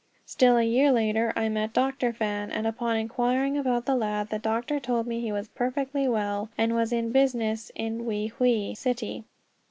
Still a year later I met Dr. Fan, and upon inquiring about the lad, the doctor told me he was perfectly well, and was in business in Wei Hwei City.